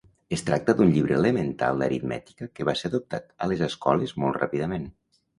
Es tracta d'un llibre elemental d'aritmètica que va ser adoptat a les escoles molt ràpidament.